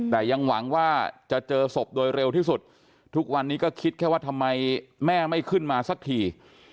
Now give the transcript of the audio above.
แต่ยังหวังว่าจะเจอศพโดยเร็วที่สุดทุกวันนี้ก็คิดแค่ว่าทำไมแม่ไม่ขึ้นมาสักที